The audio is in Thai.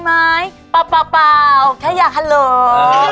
ดีมั้ยป่าวถ้าอยากฮัลโหล